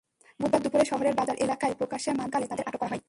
বুধবার দুপুরে শহরের বাজার এলাকায় প্রকাশ্যে মাদক সেবনকালে তাঁদের আটক করা হয়।